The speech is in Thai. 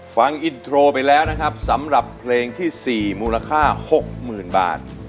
ฟังอินโทรไปแล้วนะครับสำหรับเพลงที่๔มูลค่า๖๐๐๐บาท